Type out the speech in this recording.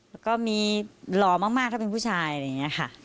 แล้วก็มีหล่อมากถ้าเป็นผู้ชายอะไรอย่างนี้ค่ะ